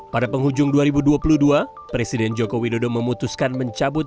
pada penghujung dua ribu dua puluh dua presiden joko widodo memutuskan mencabut